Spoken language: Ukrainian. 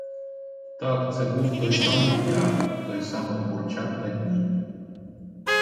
Так, це був той самий яр, той самий бурчак на дні.